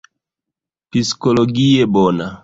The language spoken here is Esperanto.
Psikologie bona.